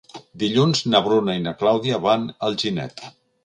Dilluns na Bruna i na Clàudia van a Alginet.